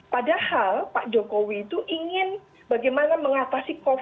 padahal pak jokowi itu ingin bagaimana mengatasi covid sembilan belas